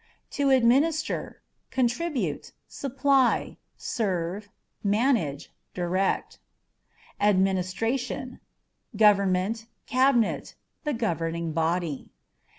To Administer â€" contribute, supply ; serve, manage, direct. Administration â€" government, cabinet ; the governing body.